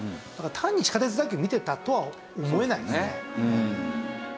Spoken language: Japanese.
だから単に地下鉄だけを見てたとは思えないですね。